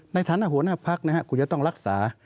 ในฐานะหัวหน้าพักคุณจะต้องรักษา